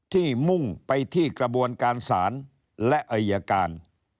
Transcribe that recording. มุ่งไปที่กระบวนการศาลและอายการ